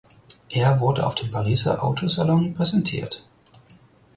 Er wurde auf dem Pariser Autosalon präsentiert.